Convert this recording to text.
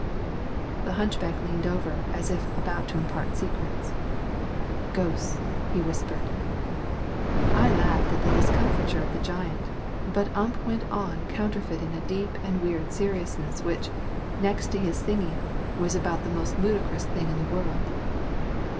The hunchback leaned over as if about to impart a secret. "Ghosts!" he whispered. I laughed at the discomfiture of the giant, but Ump went on counterfeiting a deep and weird seriousness which, next to his singing, was about the most ludicrous thing in the world.